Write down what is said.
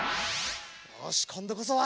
よしこんどこそは！